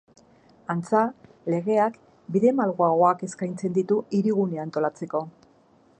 Antza, legeak bide malguagoak eskaintzen ditu Hirigunea antolatzeko.